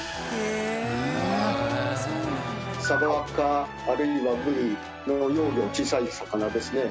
サバかあるいはブリの幼魚小さい魚ですね